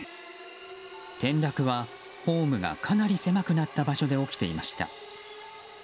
転落はホームがかなり狭くなった場所で起きていました。